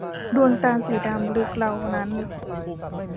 ดวงตาสีดำลึกเหล่านั้น !